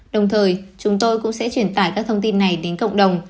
đồng thời chúng tôi cũng sẽ truyền tải các thông tin này đến cộng đồng